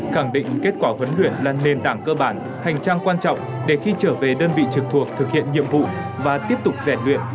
khẳng định kết quả huấn luyện là nền tảng cơ bản hành trang quan trọng để khi trở về đơn vị trực thuộc thực hiện nhiệm vụ và tiếp tục rèn luyện